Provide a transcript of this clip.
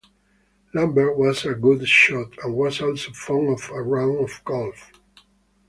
Lambert was a good shot, and was also fond of a round of golf.